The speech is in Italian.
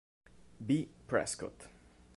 B. Prescott.